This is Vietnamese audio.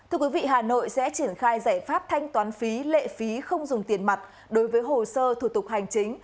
hà nội sẽ triển khai giải pháp thanh toán phí lệ phí không dùng tiền mặt đối với hồ sơ thủ tục hành chính